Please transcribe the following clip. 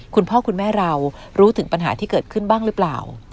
คุณพ่อคุณแม่เรารู้ถึงปัญหาที่เกิดขึ้นบ้างหรือเปล่า